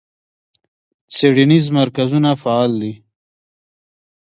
څیړنیز مرکزونه فعال دي.